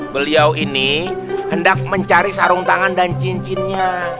beliau ini hendak mencari sarung tangan dan cincinnya